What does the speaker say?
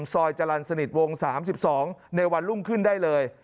ซอยจลัลสนิทวง๓๒ในวันรุ่งขึ้นได้เลย